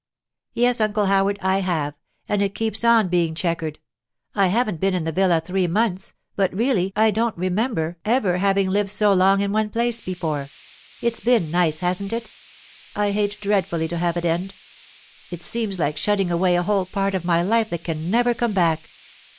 'Yes, Uncle Howard, I have; and it keeps on being chequered! I haven't been in the villa three months, but really I don't remember ever having lived so long in one place before. It's been nice, hasn't it? I hate dreadfully to have it end. It seems like shutting away a whole part of my life that can never come back.